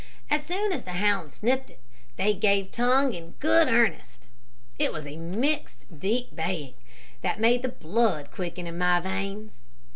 As soon as the hounds sniffed it, they gave tongue in good earnest. It was a mixed, deep baying, that made the blood quicken in my veins.